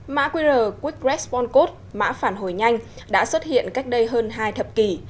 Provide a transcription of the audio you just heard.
mã qr quick response code mã phản hồi nhanh đã xuất hiện cách đây hơn hai thập kỷ